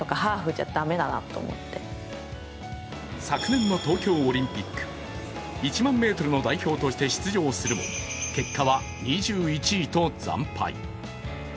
昨年の東京オリンピック、１００００ｍの代表として出場するも結果は２１位と惨敗。